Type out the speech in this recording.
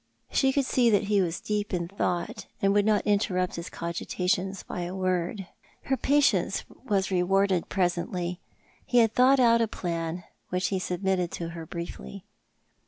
She could see that he was deep in tliought, and would not interrupt his cogitations by a word. Her patience was rewarded presently. He had thought out a plan, W'hich he submitted to her briefly.